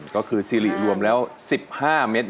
ก็คือซีริรวมแล้ว๑๕เมตร